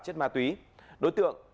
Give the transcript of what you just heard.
chất ma túy đối tượng